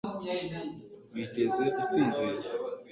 wigeze usinzira